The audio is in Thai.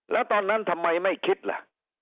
แล้วตอนนั้นทำไมไม่คิดล่ะ